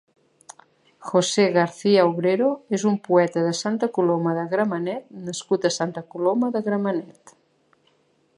José García Obrero és un poeta de Santa Coloma de Gramenet nascut a Santa Coloma de Gramenet.